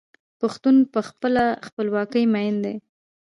پښتون په خپله خپلواکۍ مین دی.